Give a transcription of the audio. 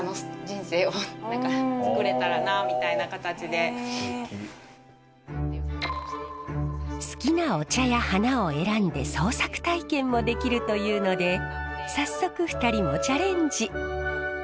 それはすごくもったいないので好きなお茶や花を選んで創作体験もできるというので早速２人もチャレンジ。